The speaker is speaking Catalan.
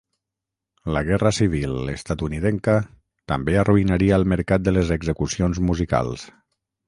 La Guerra Civil estatunidenca també arruïnaria el mercat de les execucions musicals.